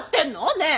ねえ！